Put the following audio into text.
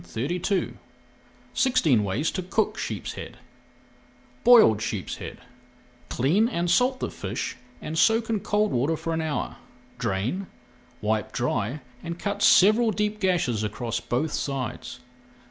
[Page 355] SIXTEEN WAYS TO COOK SHEEPSHEAD BOILED SHEEPSHEAD Clean and salt the fish and soak in cold water for an hour. Drain, wipe dry, and cut several deep gashes across both sides.